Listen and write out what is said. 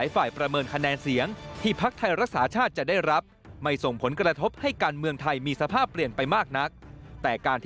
สมัครในระบบเขตเพียง๒๕๐คน